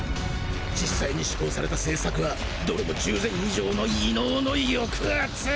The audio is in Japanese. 実際に施行された政策はどれも従前以上の異能の抑圧！